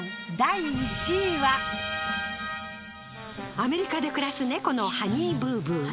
アメリカで暮らす猫のハニーブーブー。